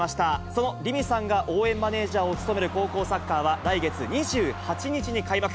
その凛美さんが応援マネージャーを務める高校サッカーは、来月２８日に開幕。